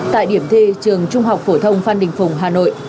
tại điểm thi trường trung học phổ thông phan đình phùng hà nội